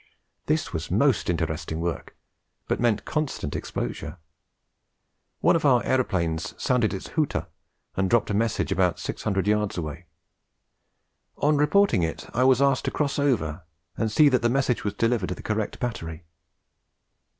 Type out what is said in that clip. This was most interesting work, but meant constant exposure. One of our aeroplanes sounded its hooter and dropped a message about 600 yards away. On reporting it I was asked to cross over and see that the message was delivered to the correct battery.'